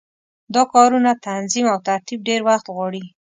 دا کارونه تنظیم او ترتیب ډېر وخت غواړي.